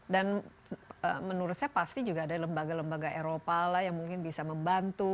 dan menurut saya pasti juga ada lembaga lembaga eropa lah yang mungkin bisa membantu